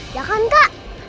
ya kan kak